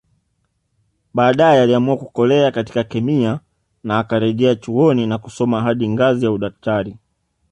Baadae aliamua kukolea katika kemia na akarejea chuoni na kusoma hadi ngazi ya udaktari